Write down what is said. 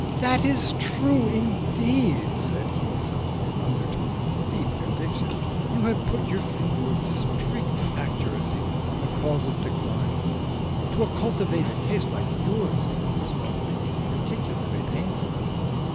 "That is true indeed," said Hinze, in an undertone of deep conviction. "You have put your finger with strict accuracy on the causes of decline. To a cultivated taste like yours this must be particularly painful."